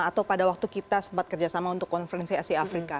atau pada waktu kita sempat kerjasama untuk konferensi asia afrika